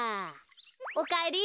おかえり。